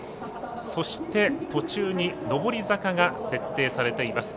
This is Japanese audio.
そして、途中に上り坂が設定されています。